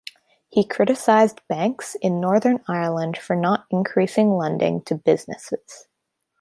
He criticised banks in Northern Ireland for not increasing lending to businesses.